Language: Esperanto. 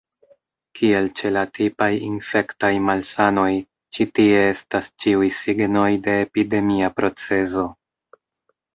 Kiel ĉe la tipaj infektaj malsanoj, ĉi tie estas ĉiuj signoj de epidemia procezo.